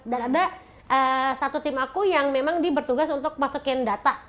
dan ada satu tim aku yang memang di bertugas untuk masukin data